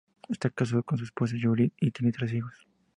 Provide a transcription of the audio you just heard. Está casado con su esposa Julie y tiene tres hijos.